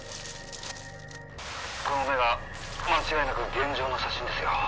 「このネガ間違いなく現場の写真ですよ」